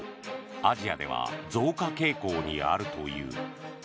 アジアでは増加傾向にあるという。